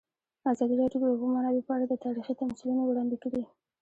ازادي راډیو د د اوبو منابع په اړه تاریخي تمثیلونه وړاندې کړي.